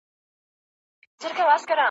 تش په خیال کي ورسره یم او خپل ښار ته غزل لیکم `